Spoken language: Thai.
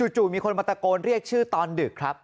มีคนมาตะโกนเรียกชื่อตอนดึกครับ